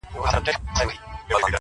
ږغ مي بدل سويدی اوس,